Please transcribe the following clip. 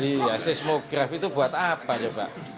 iya seismograf itu buat apa coba